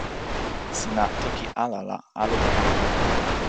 sina toki ala la ale li kama pona.